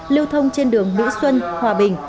liêu thông trên đường mỹ xuân hòa bình